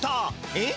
えっ？